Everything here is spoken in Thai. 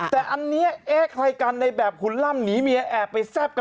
แต่นี่เอ๊คลายกันในแบบคุณล่ำหนีเมียแอบไปแซ่บงาน